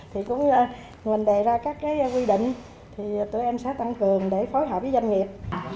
thì mình đề ra các cái quy định thì tụi em sẽ tăng cường để phối hợp với doanh nghiệp